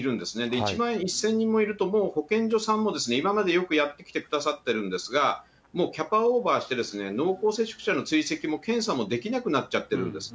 １万１０００人もいるともう保健所さんも今までよくやってきてくださってるんですが、もうキャパオーバーして、濃厚接触者の追跡も検査もできなくなっちゃってるんです。